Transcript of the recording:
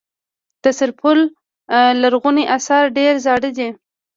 د سرپل لرغوني اثار ډیر زاړه دي